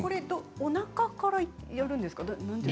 おなかからやるんですか。